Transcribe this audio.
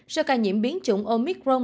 số ca nhiễm biến chủng omicron